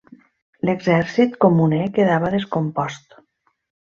L'exèrcit comuner quedava descompost.